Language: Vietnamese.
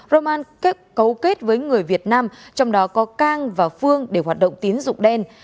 roman cấu kết với người việt nam trong đó có cang và phương để hoạt động tín dụng đen